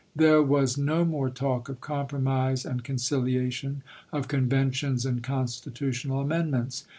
There was no more talk of compromise and conciliation, of conventions and constitutional amendments.